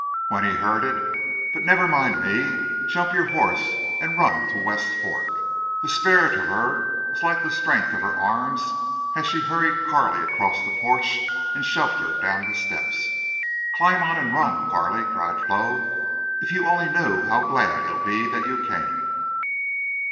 When he heard it.... But never mind me. Jump your horse and run to West Fork!" The spirit of her was like the strength of her arms as she hurried Carley across the porch and shoved her down the steps. "Climb on and run, Carley," cried Flo. "If you only knew how glad he'll be that you came!"